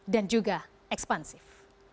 dan juga ekspansif